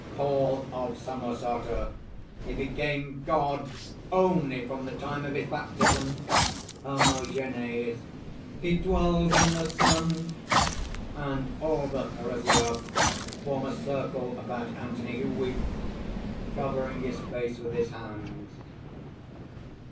PAUL OF SAMOSATA. "He became God only from the time of his baptism!" HERMOGENES. "He dwells in the sun!" (_And all the Heresiarchs form a circle about Anthony, who weeps, covering his face with his hands.